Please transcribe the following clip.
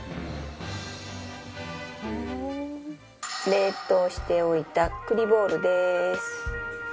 冷凍しておいた栗ボールです。